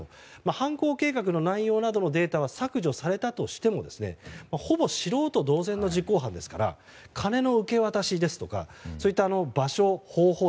犯行計画の内容などのデータは削除されたとしてもほぼ素人同然の実行犯ですから金の受け渡しですとかそうした場所、方法